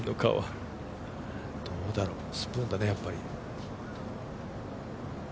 どうだろ、スプーンだねやっぱり。